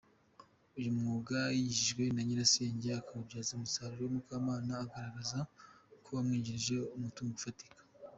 Uyu mwuga yigishijwe na nyirasenge akawubyaza umusaruro, Mukamana agaragaza ko wamwinjirije umutungo ufatika.